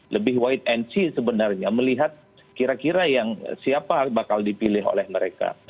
lebih wait and see sebenarnya melihat kira kira yang siapa bakal dipilih oleh mereka